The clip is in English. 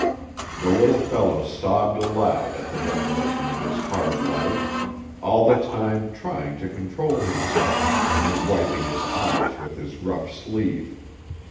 The little fellow sobbed aloud at the recollection of his hard life, all the time trying to control himself, and wiping his eyes with his rough sleeve.